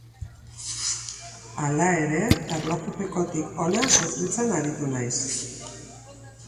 Hala ere, erlojupekotik ona sufritzen aritu naiz.